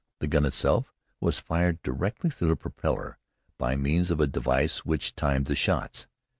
The gun itself was fired directly through the propeller by means of a device which timed the shots.